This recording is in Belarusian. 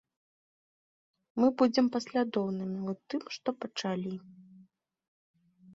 Мы будзем паслядоўнымі ў тым, што пачалі.